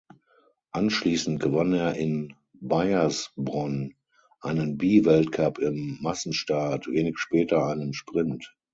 Anschließend gewann er in Baiersbronn einen B-Weltcup im Massenstart, wenig später einen Sprint.